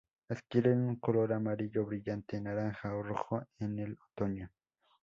Adquieren un color amarillo brillante, naranja o rojo en el otoño.